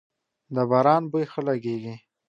د باران بوی ښه لږیږی